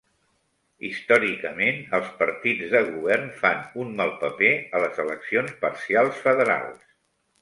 Històricament, els partits de govern fan un mal paper a les eleccions parcials federals.